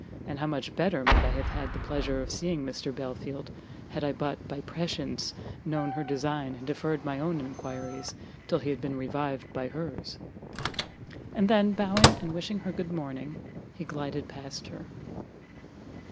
and how much better might I have had the pleasure of seeing Mr Belfield, had I but, by prescience, known her design, and deferred my own enquiries till he had been revived by hers!" And then, bowing and wishing her good morning, he glided past her.